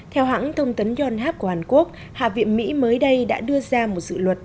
theo hãng thông tấn yonhap của hàn quốc hạ viện mỹ mới đây đã đưa ra một dự luật